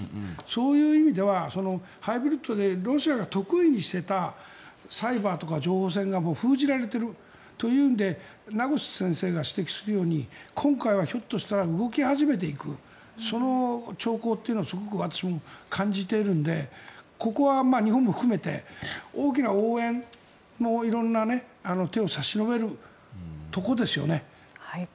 そういう意味ではハイブリッドでロシアが得意にしていたサイバーとか情報戦がもう封じられているというので名越先生が指摘するように今回はひょっとしたら動き始めていく、その兆候はすごく私も感じているのでここは日本も含めて大きな応援、色んな手を差し伸べるところですよね。